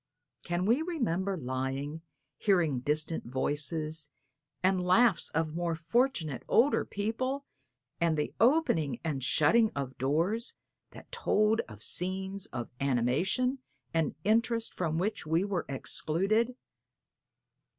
Can we remember lying, hearing distant voices, and laughs of more fortunate, older people and the opening and shutting of distant doors, that told of scenes of animation and interest from which we were excluded?